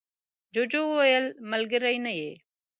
جوجو وویل ملگری نه یې.